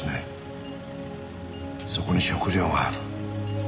そこに食料がある。